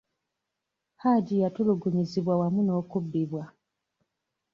Hajji yatulugunyizibwa wamu n'okubbibwa.